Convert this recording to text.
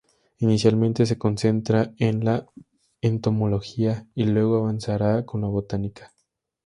Inicialmente se concentra en la Entomología, y luego avanzará con la Botánica.